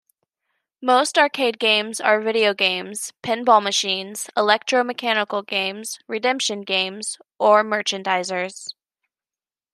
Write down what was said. Most arcade games are video games, pinball machines, electro-mechanical games, redemption games or merchandisers.